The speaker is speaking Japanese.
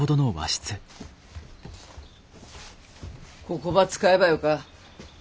ここば使えばよか。